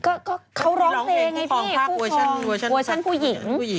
ก็เขาร้องเพลงไงพี่ฟูของเวอร์ชั่นผู้หญิง